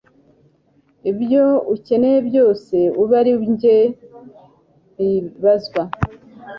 ibyo ukeneye byose abe ari jye bibazwa